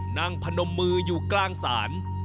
พนมมืออยู่กลางศาล